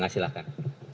pak tadi cepat